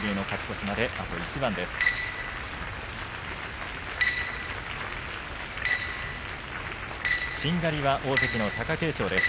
しんがりは大関の貴景勝です。